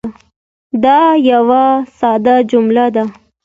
دا یوه ساده جمله ده.